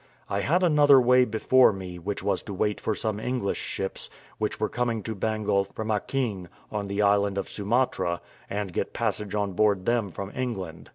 I had another way before me, which was to wait for some English ships, which were coming to Bengal from Achin, on the island of Sumatra, and get passage on board them from England.